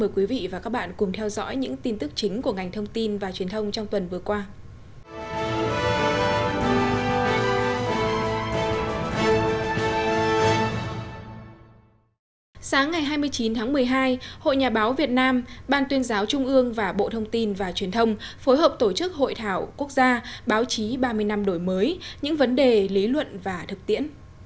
các bạn hãy đăng ký kênh để ủng hộ kênh của chúng mình nhé